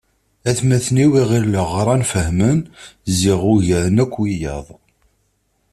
Atmaten-iw i ɣileɣ ɣran fehmen ziɣ ugaren akk wiyaḍ.